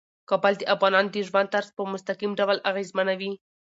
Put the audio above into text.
کابل د افغانانو د ژوند طرز په مستقیم ډول اغېزمنوي.